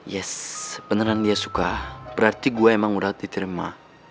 yes beneran dia suka berarti gue emang udah diterima